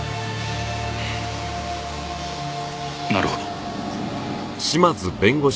なるほど。